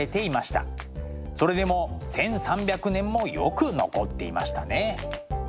それでも１，３００年もよく残っていましたね。